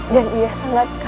dan ia sangat keras